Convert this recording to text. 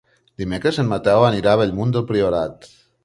Dimecres en Mateu anirà a Bellmunt del Priorat.